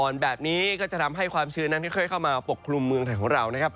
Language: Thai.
อ่อนแบบนี้ก็จะทำให้ความชืนนั้นเข้ามาปกปรุงเมืองไหนของเรานะครับ